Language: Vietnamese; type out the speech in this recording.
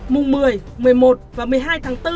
mùng một mươi một mươi một và một mươi hai tháng bốn